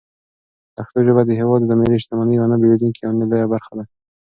پښتو ژبه د هېواد د ملي شتمنۍ یوه نه بېلېدونکې او لویه برخه ده.